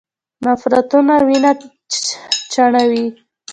نفرونونه وینه چاڼوي.